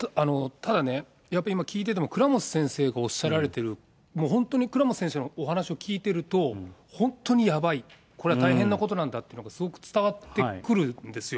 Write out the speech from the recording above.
ただね、やっぱり今、聞いてても、倉持先生がおっしゃられている、本当に倉持先生のお話を聞いていると、本当にやばい、これは大変なことなんだということがすごく伝わってくるんですよ。